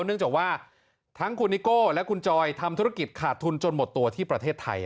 เนื่องจากว่าทั้งคุณนิโก้และคุณจอยทำธุรกิจขาดทุนจนหมดตัวที่ประเทศไทย